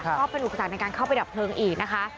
ก็เป็นอุปสรรคในการเข้าไปดับเพลิงอีกนะคะ